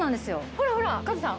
ほらほらカズさん